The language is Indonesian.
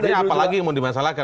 artinya apa lagi yang mau dimasalkan